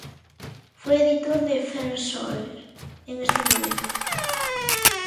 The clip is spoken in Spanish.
Fue editor de "France Soir" en este momento.